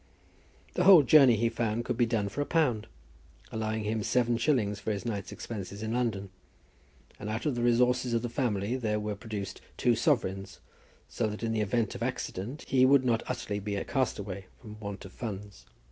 The whole journey, he found, could be done for a pound, allowing him seven shillings for his night's expenses in London; and out of the resources of the family there were produced two sovereigns, so that in the event of accident he would not utterly be a castaway from want of funds.